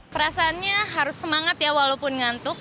perasaannya harus semangat ya walaupun ngantuk